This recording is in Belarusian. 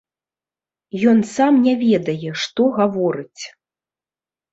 Ён сам не ведае, што гаворыць.